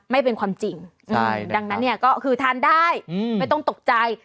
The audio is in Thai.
ไม่เป็นความจริงดังนั้นเนี่ยก็คือทานได้ไม่ต้องตกใจ